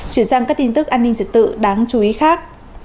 chuyển sang các tin tức an ninh trật tự đáng chú ý khác